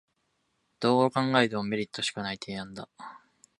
どう考えてもメリットしかない提案だ